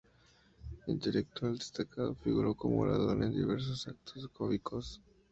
Intelectual destacado, figuró como orador en diversos actos cívicos.